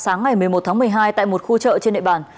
sáng ngày một mươi một tháng một mươi hai tại một khu chợ trên địa bàn